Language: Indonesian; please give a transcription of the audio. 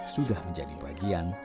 sudah menjadi bagian